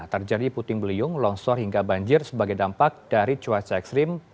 terjadi puting beliung longsor hingga banjir sebagai dampak dari cuaca ekstrim